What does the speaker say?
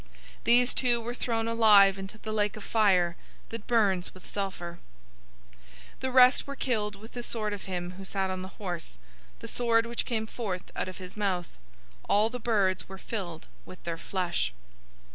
These two were thrown alive into the lake of fire that burns with sulfur. 019:021 The rest were killed with the sword of him who sat on the horse, the sword which came forth out of his mouth. All the birds were filled with their flesh.